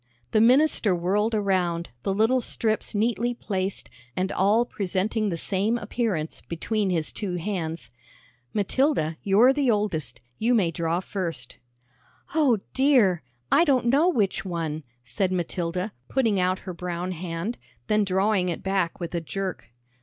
The minister whirled around, the little strips neatly placed, and all presenting the same appearance, between his two hands. "Matilda, you're the oldest; you may draw first." "O dear! I don't know which one," said Matilda, putting out her brown hand, then drawing it back with a jerk.